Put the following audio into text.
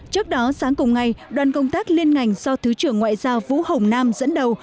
trước đó sáng cùng ngày đoàn công tác liên ngành do thứ trưởng ngoại giao vũ hồng nam dẫn đầu